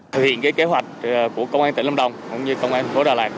thực hiện kế hoạch của công an tỉnh lâm đồng cũng như công an thành phố đà lạt